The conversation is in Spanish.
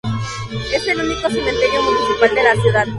Es el único cementerio municipal de la ciudad.